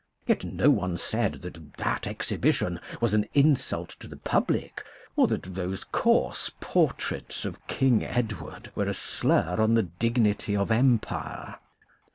Yet no one said that that exhibition was an insult to the public, or that those coarse portraits of King Edward were a slur on the dignity of Empire.